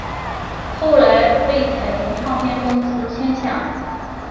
后来被彩虹唱片公司签下。